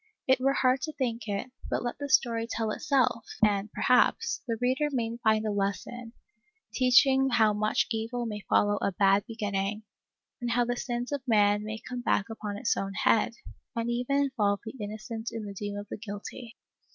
It were hard to think it ; but let the story tell itself, and, perhaps, the reader may find a lesspn, teaching how much evil may follow a bad beginning, and how the sins of man may come back upon his own head, and even involve the innocent in the doom of the guilty.